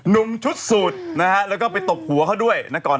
มชุดสูตรนะฮะแล้วก็ไปตบหัวเขาด้วยนะก่อน